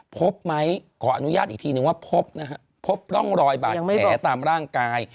พบไหมขออนุญาตอีกทีนึงว่าพบนะฮะพบร่องรอยบาดแผลตามร่างกาย